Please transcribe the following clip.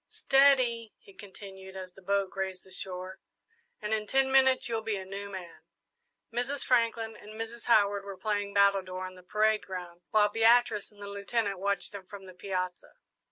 "Steady," he continued, as the boat grazed the shore, "and in ten minutes you'll be a new man." Mrs. Franklin and Mrs. Howard were playing battledore on the parade ground, while Beatrice and the Lieutenant watched them from the piazza.